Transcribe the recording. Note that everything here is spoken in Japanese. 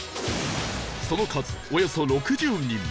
その数およそ６０人